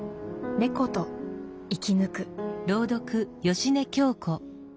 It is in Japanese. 「猫と、生き抜く」。